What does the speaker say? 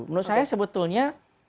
menurut saya sebetulnya